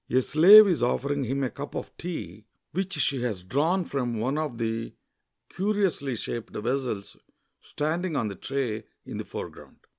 A slave is offering him a cup of tea which she has drawn from one of the curi ously shaped vessels standing on the tray in the foreground.